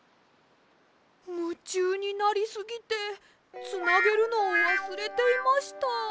むちゅうになりすぎてつなげるのをわすれていました。